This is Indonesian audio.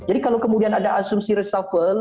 kalau kemudian ada asumsi resafel